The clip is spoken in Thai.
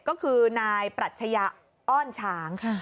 ก็คือนายปรัชญาอ้อนช้าง